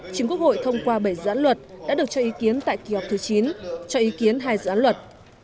chính quốc hội thông qua bảy dự án luật đã được cho ý kiến tại kỳ họp thứ chín cho ý kiến hai dự án luật